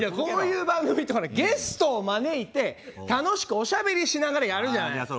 こういう番組ってゲストを招いて楽しくおしゃべりしながらやるじゃない。